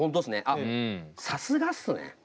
あっさすがっすね。